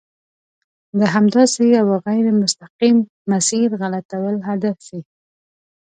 د همداسې یوه غیر مستقیم مسیر غلطول هدف وي.